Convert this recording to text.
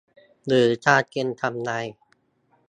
หรือการเก็งกำไร